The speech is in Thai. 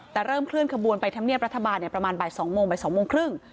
แต่เริ่มเคลื่อนขบวนไปทำเนียบรัฐบาลประมาณบ่าย๒โมงบ่าย๒โมงครึ่ง